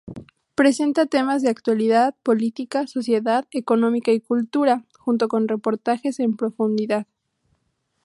Presenta temas de actualidad, política, sociedad, economía y cultura, junto con reportajes en profundidad.